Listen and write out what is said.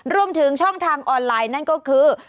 รวมถึงช่องทางออนไลน์นั่นก็คือ